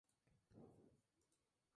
Es una planta dioica.